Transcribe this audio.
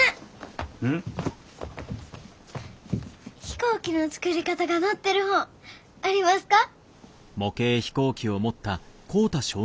飛行機の作り方が載ってる本ありますか？